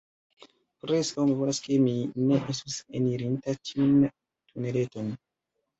Preskaŭ mi volas ke mi ne estus enirinta tiun tuneleton.